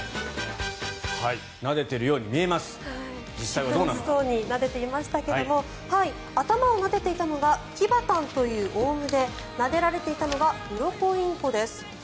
なでているように見えますなでていましたけれど頭をなでていたのはキバタンというオウムでなでられていたのはウロコインコです。